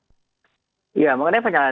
ya makanya penyalahgunaan data pribadi itu